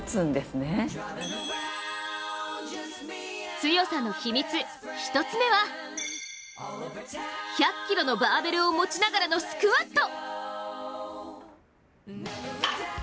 強さの秘密、１つ目は１００ｋｇのバーベルを持ちながらのスクワット。